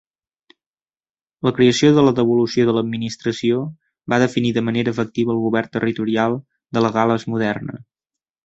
La creació de la devolució de l'administració va definir de manera efectiva el govern territorial de la Gal·les moderna.